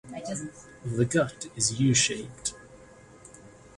The gut is U-shaped.